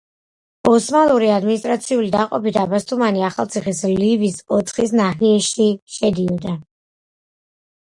ოსმალური ადმინისტრაციული დაყოფით აბასთუმანი ახალციხის ლივის ოცხის ნაჰიეში შედიოდა.